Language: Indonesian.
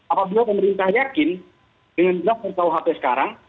apabila pemerintah yakin dengan draft rkuhp sekarang